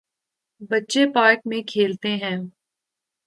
بچے پارک میں کھیلتے ہیں۔